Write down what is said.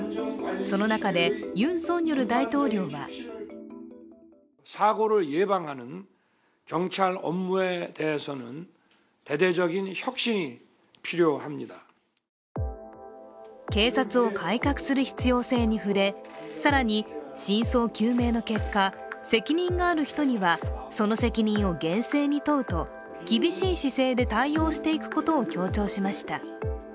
その中でユン・ソンニョル大統領は警察を改革する必要性に触れ、更に、真相究明の結果、責任がある人にはその責任を厳正に問うと厳しい姿勢で対応していくことを強調しました。